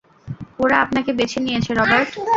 ওরা আপনাকে বেছে নিয়েছে, রবার্ট।